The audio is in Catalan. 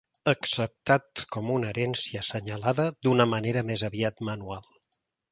Acceptat com una herència assenyalada d'una manera més aviat manual.